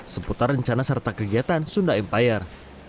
seputar rencana serta kegiatan sunda empire